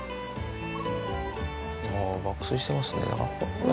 ああ、爆睡してますね。